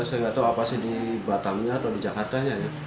saya nggak tahu apa sih di batamnya atau di jakartanya